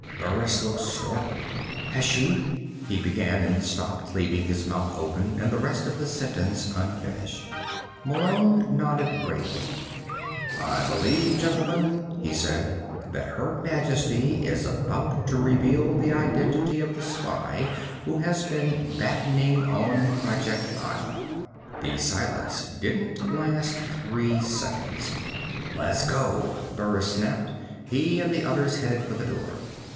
Burris looked startled. "Has she " he began, and stopped, leaving his mouth open and the rest of the sentence unfinished. Malone nodded gravely. "I believe, gentlemen," he said, "that Her Majesty is about to reveal the identity of the spy who has been battening on Project Isle." The silence didn't last three seconds. "Let's go," Burris snapped. He and the others headed for the door.